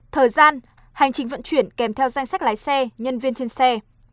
thời gian hành trình vận chuyển kèm theo danh sách lái xe nhân viên trên xe